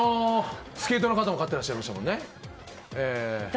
スケートの方も飼っていらっしゃいましたね。